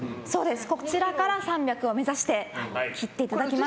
こちらから３００を目指して切っていただきます。